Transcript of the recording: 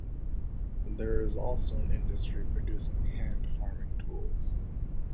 There is also an industry producing hand farming tools.